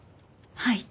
はい。